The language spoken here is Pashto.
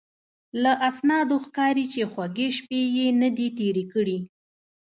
له اسنادو ښکاري چې خوږې شپې یې نه دي تېرې کړې.